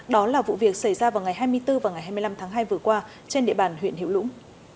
đó là vụ việc xảy ra vào ngày hai mươi bốn và ngày hai mươi năm tháng hai vừa qua trên địa bàn huyện hiệu lũng